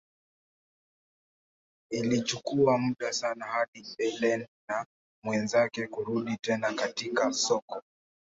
Ilichukua muda sana hadi Ellen na mwenzake kurudi tena katika soko.